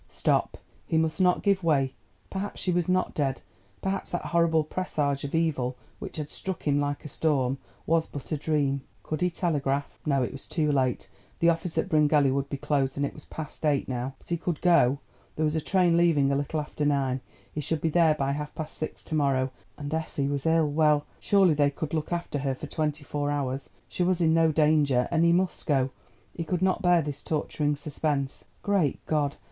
Stop, he must not give way—perhaps she was not dead—perhaps that horrible presage of evil which had struck him like a storm was but a dream. Could he telegraph? No, it was too late; the office at Bryngelly would be closed—it was past eight now. But he could go. There was a train leaving a little after nine—he should be there by half past six to morrow. And Effie was ill—well, surely they could look after her for twenty four hours; she was in no danger, and he must go—he could not bear this torturing suspense. Great God!